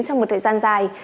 trong một thời gian dài